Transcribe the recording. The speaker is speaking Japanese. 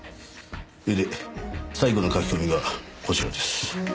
それで最後の書き込みがこちらです。